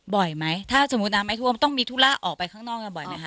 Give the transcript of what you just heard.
บ่อยไหมถ้าสมมุติน้ำไม่ท่วมต้องมีธุระออกไปข้างนอกกันบ่อยไหมคะ